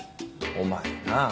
お前なぁ。